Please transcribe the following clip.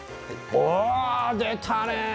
おお出たね。